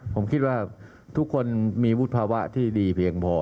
ผมคิดว่าทุกคนมีวุฒิภาวะที่ดีเพียงพอ